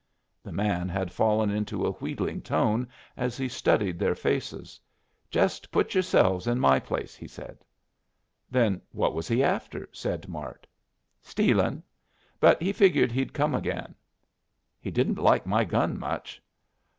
The man had fallen into a wheedling tone as he studied their faces. "Jest put yourselves in my place," he said. "Then what was he after?" said Mart. "Stealin'. But he figured he'd come again." "He didn't like my gun much."